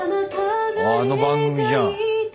あの番組じゃん。